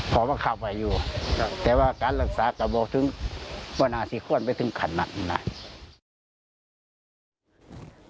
พอว่าเข้าไปอยู่แต่ว่าการรักษากระโบกถึงปัญหาสิทธิ์ข้อนไปถึงขณะอื่นไหล